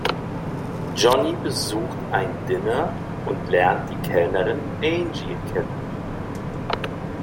Johnny besucht ein Diner und lernt die Kellnerin Angie kennen.